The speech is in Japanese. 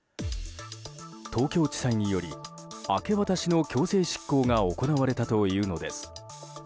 東京地裁により明け渡しの強制執行が行われたというのです。